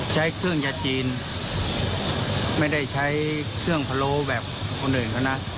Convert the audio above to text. ใช้เครื่องยาจีนไม่ได้ใช้เครื่องพะโล้แบบคนอื่นเขานะ